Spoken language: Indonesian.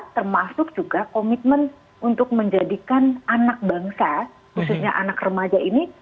termasuk juga komitmen untuk menjadikan anak bangsa khususnya anak remaja ini